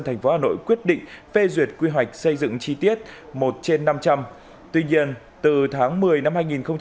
tp hà nội quyết định phê duyệt quy hoạch xây dựng chi tiết một trên năm trăm linh tuy nhiên từ tháng một mươi năm